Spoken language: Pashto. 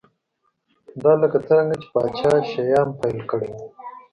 دا لکه څرنګه چې پاچا شیام پیل کړی و